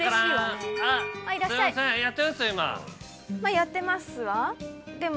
やってますわでも。